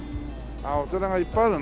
お寺がいっぱいあるね。